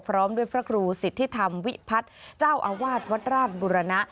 พร้อมด้วยพระครูสิทธิธรรมวิพัฒน์เจ้าอาวาสวัดราชบุรณะ